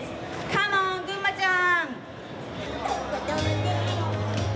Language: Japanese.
カモンぐんまちゃん！